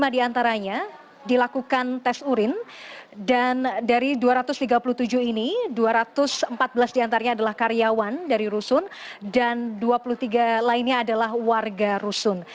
lima diantaranya dilakukan tes urin dan dari dua ratus tiga puluh tujuh ini dua ratus empat belas diantaranya adalah karyawan dari rusun dan dua puluh tiga lainnya adalah warga rusun